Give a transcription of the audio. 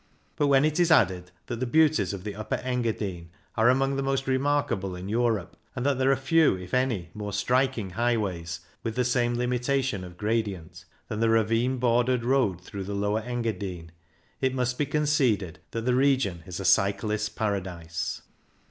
But when it is added 8 CYCLING IN THE ALPS that the beauties of the Upper Engadine are among the most remarkable in Europe, and that there are few, if any, more strik ing highways, with the same limitation of gradient, than the ravine bordered road through the Lower Engadine, it must be conceded that the region is a cyclist's paradise.